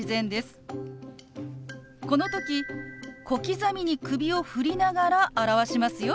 この時小刻みに首を振りながら表しますよ。